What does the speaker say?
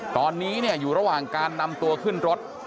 ตอนนี้อยู่ระหว่างการนำตัวขึ้นรถ